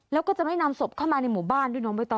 แล้วก็จะไม่นำศพเข้ามาในหมู่บ้านด้วยน้องใบตอ